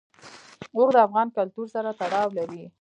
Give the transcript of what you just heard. اوښ د افغان کلتور سره تړاو لري.